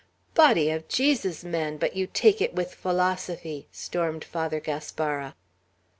"Body of Jesus! man! But you take it with philosophy!" stormed Father Gaspara.